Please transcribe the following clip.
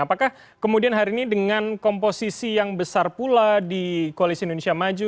apakah kemudian hari ini dengan komposisi yang besar pula di koalisi indonesia maju